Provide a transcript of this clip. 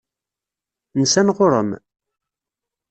Nsan ɣur-m?